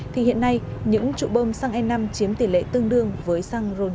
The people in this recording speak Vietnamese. thì hiện nay những trụ bôm xăng e năm chiếm tỷ lệ tương đương với xăng ron chín mươi năm